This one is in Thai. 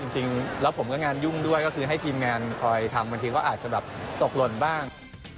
จริงแล้วผมก็งานยุ่งด้วยก็คือให้ทีมงานคอยทำบางทีก็อาจจะแบบตกหล่นบ้าง